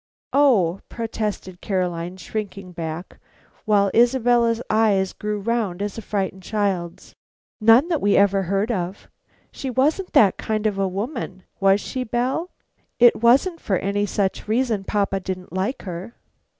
"Oh," protested Caroline, shrinking back, while Isabella's eyes grew round as a frightened child's. "None that we ever heard of. She wasn't that kind of a woman, was she, Belle? It wasn't for any such reason papa didn't like her."